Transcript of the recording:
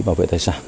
bảo vệ tài sản